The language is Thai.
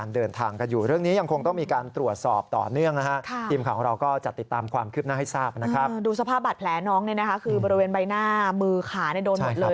ดูสภาพบาดแผลน้องเนี่ยนะคะคือบริเวณใบหน้ามือขาโดนหมดเลย